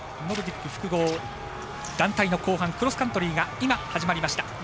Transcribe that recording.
ノルディック複合団体の後半クロスカントリーが今始まりました。